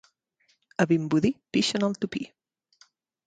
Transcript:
A Vimbodí pixen al tupí.